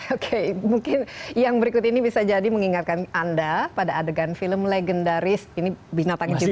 oke mungkin yang berikut ini bisa jadi mengingatkan anda pada adegan film legendaris ini binatang